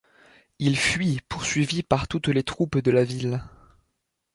Ils fuient, poursuivis par toutes les troupes de la ville.